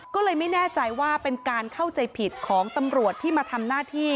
ก็เลยไม่แน่ใจว่าเป็นการเข้าใจผิดของตำรวจที่มาทำหน้าที่